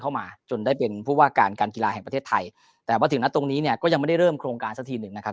มาจนได้เป็นผู้ว่าการการกีฬาแห่งประเทศไทยแต่ว่าถึงนัดตรงนี้เนี่ยก็ยังไม่ได้เริ่มโครงการสักทีหนึ่งนะครับ